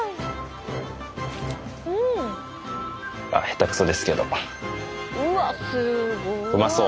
下手くそですけど。